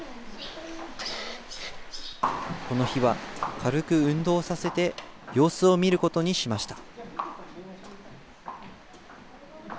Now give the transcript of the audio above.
この日は軽く運動させて様子を見ることにしました。